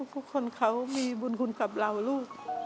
ทุกคนเขามีบุญคุณกับเราลูก